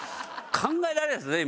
考えられないですね